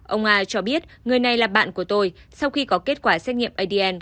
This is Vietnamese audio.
ông a cho biết người này là bạn của tôi sau khi có kết quả xét nghiệm adn